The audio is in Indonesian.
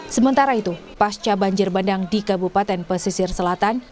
sementara itu pasca banjir bandang di kabupaten pesisir selatan